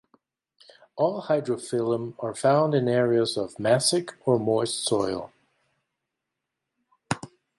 All "Hydrophyllum" are found in areas of mesic or moist soil.